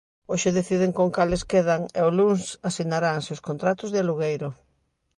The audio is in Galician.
Hoxe deciden con cales quedan e o luns asinaranse os contratos de alugueiro.